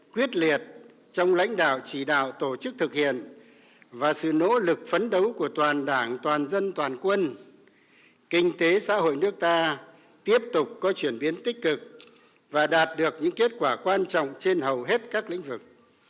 quyết liệt trong lãnh đạo chỉ đạo tổ chức thực hiện và sự nỗ lực phấn đấu của toàn đảng toàn dân toàn quân kinh tế xã hội nước ta tiếp tục có chuyển biến tích cực và đạt được những kết quả quan trọng trên hầu hết các lĩnh vực